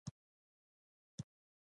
ما هم یو یو له ځانه غورځاوه.